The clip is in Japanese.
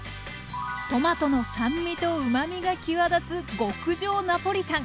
トマトの酸味とうまみが際立つ極上ナポリタン。